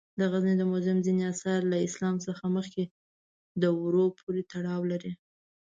د غزني د موزیم ځینې آثار له اسلام څخه مخکې دورو پورې تړاو لري.